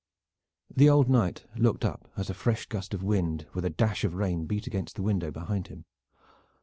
The old knight looked up as a fresh gust of wind with a dash of rain beat against the window behind him.